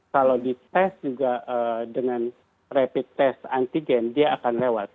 kalau dites juga dengan rapid test antigen dia akan lewat